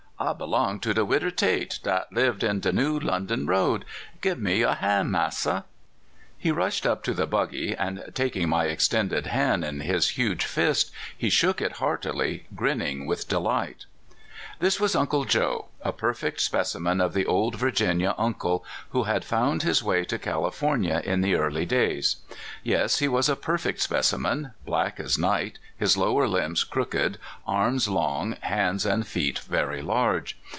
I belonged to de Widder Tate, dat lived on de New London Road. Gib me yer han', Massa! " He rushed up to the buggy, and taking my ex tended hand in hi huge fist he shook it heartily, grinning with delight. 17 (2. r >7) 258 CALIFORNIA SKETCHES. This was Uncle Joe, a perfect specimen of the old Virginia " Uncle," who had found his way to California in the early days. Yes, he was a per fect specimen black as night, his lower limbs crooked, arms long, hands and feet very large.